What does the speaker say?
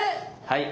はい！